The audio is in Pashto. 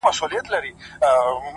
صادق چلند ریښتینې ملګرتیا زېږوي!.